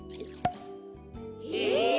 へえ。